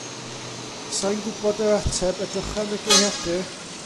'Sa i'n gwbod yr ateb, edrycha yn y geiriadur.